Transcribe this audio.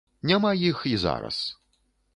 Няма іх і зараз.